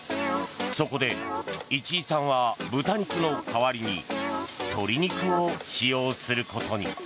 そこで市居さんは豚肉の代わりに鶏肉を使用することに。